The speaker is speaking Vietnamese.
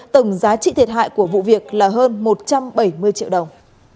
tổng giá trị thiệt hại của vụ việc là hơn một trăm bảy mươi triệu đồng